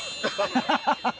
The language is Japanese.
ハハハハ！